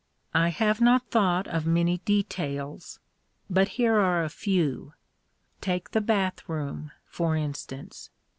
I have not thought of many details. But here are a few. Take the bath room, for instance.